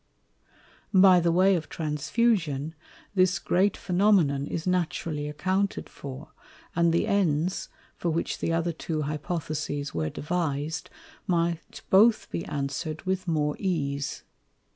By the way of Transfusion, this great Phænomenon is naturally accounted for, and the Ends, for which the other two Hypotheses were devis'd, might both be answer'd with more ease.